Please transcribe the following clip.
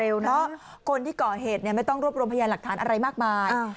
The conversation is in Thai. เพราะคนที่ก่อเหตุไม่ต้องรวบรวมพยานหลักฐานอะไรมากมาย